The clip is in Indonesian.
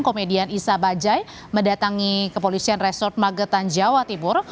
komedian isa bajai mendatangi kepolisian resort magetan jawa timur